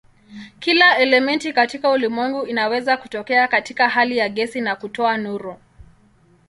Kila elementi katika ulimwengu inaweza kutokea katika hali ya gesi na kutoa nuru.